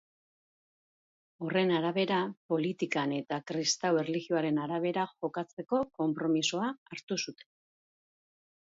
Horren arabera, politikan-eta kristau erlijioaren arabera jokatzeko konpromisoa hartu zuten.